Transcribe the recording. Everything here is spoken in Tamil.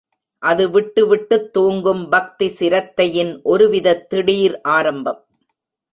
அது விட்டு விட்டுத் தூங்கும் பக்தி சிரத்தையின் ஒருவிதத் திடீர் ஆரம்பம்.